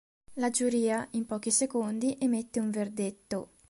La giuria in pochi secondi emette un verdetto.